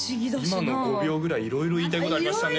今の５秒ぐらい色々言いたいことありましたね